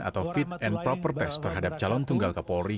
atau fit and proper test terhadap calon tunggal kapolri